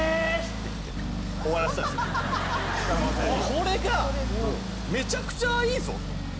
これがめちゃくちゃいいぞと。